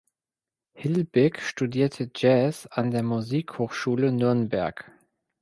Hilbig studierte Jazz an der Musikhochschule Nürnberg.